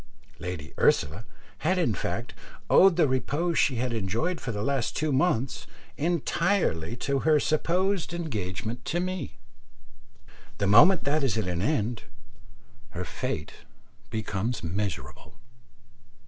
Lady Ursula had in fact owed the repose she had enjoyed for the last two months entirely to her supposed engagement to me. The moment that is at an end, her fate becomes miserable.